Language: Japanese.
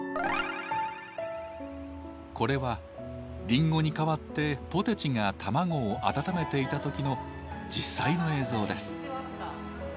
これはリンゴに代わってポテチが卵を温めていた時の実際の映像です。